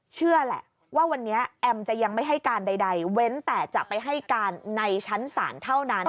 เชื่อแหละว่าวันนี้แอมจะยังไม่ให้การใดเว้นแต่จะไปให้การในชั้นศาลเท่านั้น